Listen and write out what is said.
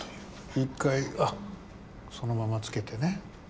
一回あそのままつけてね。